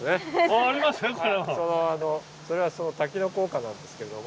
それは滝の効果なんですけれども。